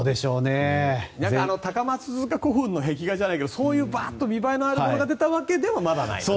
高松塚古墳の壁画じゃないけどそういう見栄えのあるものが出たわけでもないと。